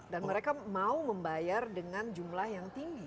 dan mereka mau membayar dengan jumlah yang tinggi